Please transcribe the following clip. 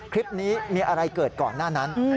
คลิปนี้มีอะไรเกิดก่อนหน้านั้น